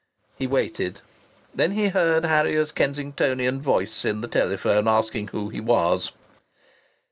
He waited. Then he heard Harrier's Kensingtonian voice in the telephone asking who he was.